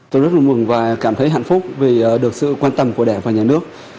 tôi rất vui và cảm thấy hạnh phúc vì được sự quan tâm của đại và nhà nước